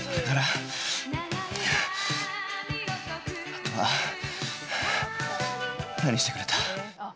あとは何してくれた？